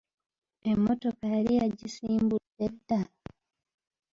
Emmotokka yali yagisimbudde dda?